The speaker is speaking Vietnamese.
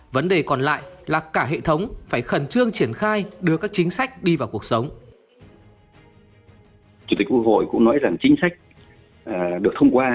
vấn đề còn lại là cả hệ thống phải khẩn trương triển khai đưa các chính sách đi vào cuộc sống